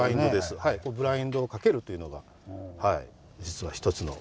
ブラインドを掛けるというのが実は一つの大きな特徴。